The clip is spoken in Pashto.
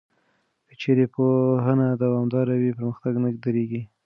که چېرې پوهنه دوامداره وي، پرمختګ نه درېږي.